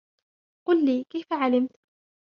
قل لي, كيف علمتَ ؟